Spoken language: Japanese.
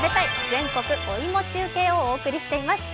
全国お芋中継」をお送りしています